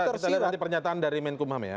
kita lihat nanti pernyataan dari menkum ham ya